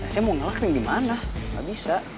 saya mau ngelaget yang dimana gak bisa